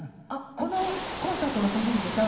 このコンサートのためにですか？